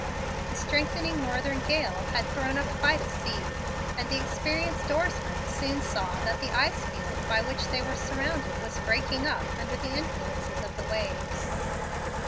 The strengthening northern gale had thrown up quite a "sea," and the experienced oarsman soon saw that the ice field by which they were surrounded was breaking up under the influence of the waves.